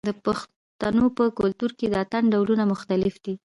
د پښتنو په کلتور کې د اتن ډولونه مختلف دي.